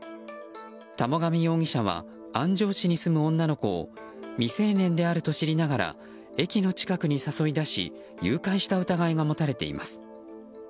田母神容疑者は安城市に住む女の子を未成年であると知りながら駅の近くに誘い出し誘拐した疑いが持たれています。